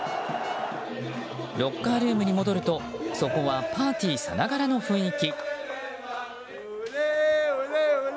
ロッカールームに戻ると、そこはパーティーさながらの雰囲気。